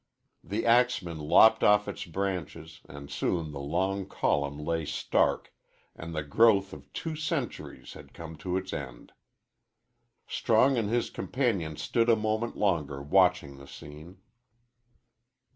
The axemen lopped off its branches, and soon the long column lay stark, and the growth of two centuries had come to its end. Strong and his companions stood a moment longer watching the scene.